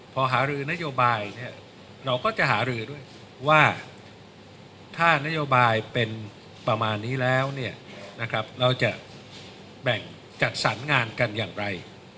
พอหารือนโยบายเราก็จะหารือด้วยว่าถ้านโยบายเป็นประมาณนี้แล้วเราจะแบ่งจัดสรรงานกันอย่างไร